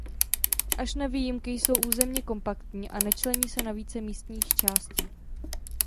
Až na výjimky jsou územně kompaktní a nečlení se na více místních částí.